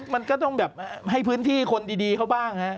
มันก็ต้องแบบให้พื้นที่คนดีเขาบ้างฮะ